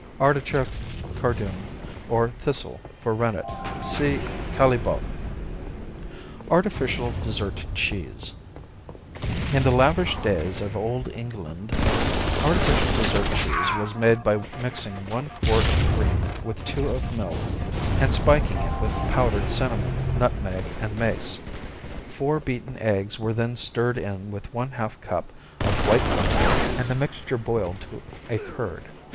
Artichoke, Cardoon or Thistle for Rennet see Caillebotte. Artificial Dessert Cheese In the lavish days of olde England Artificial Dessert Cheese was made by mixing one quart of cream with two of milk and spiking it with powdered cinnamon, nutmeg and mace. Four beaten eggs were then stirred in with one half cup of white vinegar and the mixture boiled to a curd.